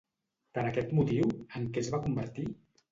Per aquest motiu, en què es va convertir?